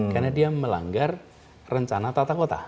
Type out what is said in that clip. karena dia melanggar rencana tata kota